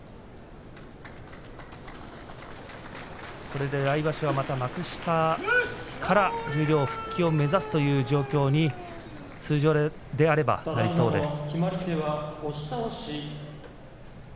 これで来場所はまた幕下から十両復帰を目指すという状況に通常であればなりそうです